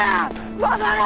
戻れ！